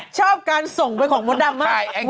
ชอบการส่งไปของมดดำมาก